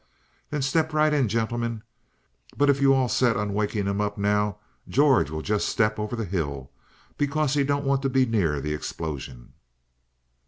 Then step right in, gen'lemen; but if you all is set on wakin' him up now, George will jus' step over the hill, because he don't want to be near the explosion."